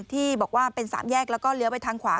ที่บอกว่าเป็นสามแยกแล้วก็เลี้ยวไปทางขวา